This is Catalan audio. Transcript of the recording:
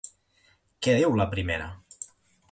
Què diu la primera?